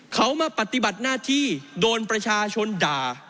เขามาปฏิบัติหน้าที่โดนประชาชนด่า